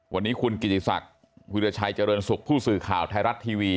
วันนี้คุณกิติศักดิ์วิราชัยเจริญสุขผู้สื่อข่าวไทยรัฐทีวี